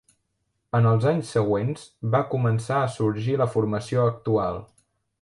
En els anys següents va començar a sorgir la formació actual.